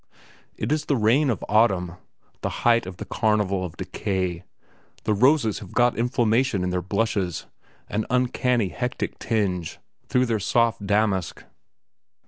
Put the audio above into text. It is the reign of Autumn, the height of the Carnival of Decay, the roses have got inflammation in their blushes, an uncanny hectic tinge, through their soft damask.